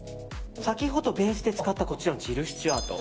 先ほどベースで使ったこちらのジルスチュアート。